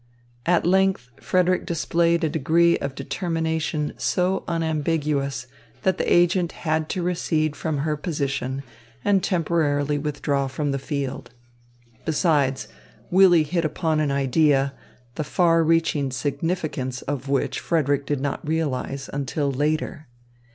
At length Frederick displayed a degree of determination so unambiguous that the agent had to recede from her position and temporarily withdraw from the field. Besides, Willy hit upon an idea, the far reaching significance of which Frederick did not realise until later.